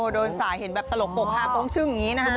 โดนสายเห็นแบบตลกปก๕ปงชื่นอย่างนี้นะครับ